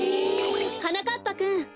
はなかっぱくん。